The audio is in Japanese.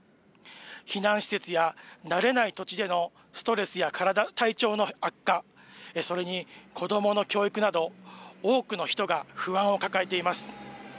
避難施設や慣れない土地でのストレスや体調の悪化、それに子どもの教育など、多くの人が不安を抱えています。